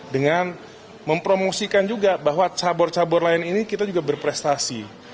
dengan mempromosikan juga bahwa cabur cabur lain ini kita juga berprestasi